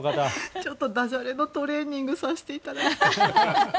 ちょっとだじゃれのトレーニングをさせていただきたい。